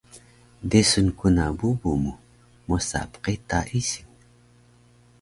Desun ku na bubu mu mosa pqita ising